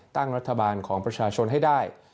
ตั้งรัฐบาลของประชาชนให้ได้